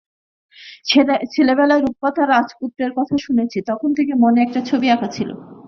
ছেলেবেলায় রূপকথার রাজপুত্রের কথা শুনেছি, তখন থেকে মনে একটা ছবি আঁকা ছিল।